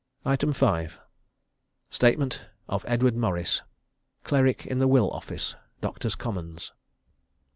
5. _Statement of Edward Morris, Cleric in the Will Office, Doctors' Commons.